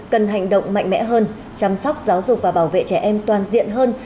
cần hành động mạnh mẽ hơn chăm sóc giáo dục và bảo vệ trẻ em toàn diện hơn